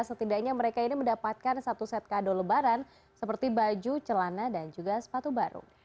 setidaknya mereka ini mendapatkan satu set kado lebaran seperti baju celana dan juga sepatu baru